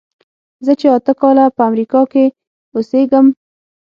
زه چې اته کاله په امریکا کې اوسېږم.